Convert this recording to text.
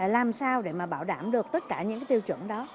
làm sao để bảo đảm được tất cả những tiêu chuẩn đó